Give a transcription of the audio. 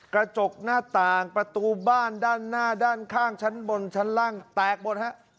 กระจกหน้าต่างประตูบ้านด้านหน้าด้านข้างชั้นบนชั้นล่างแตกหมดฮะ